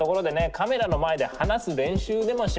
カメラの前で話す練習でもしますか！